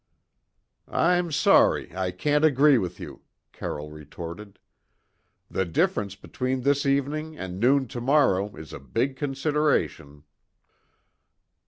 "I'm sorry I can't agree with you," Carroll retorted. "The difference between this evening and noon to morrow is a big consideration."